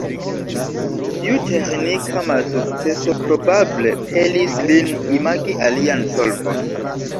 Tiu teĥnika malsukceso probable pelis lin imagi alian solvon.